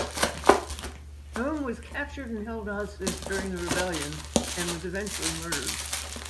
Home was captured and held hostage during the rebellion and was eventually murdered.